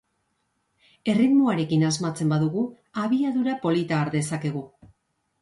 Erritmoarekin asmatzen badugu abiadura polita hartu dezakegu.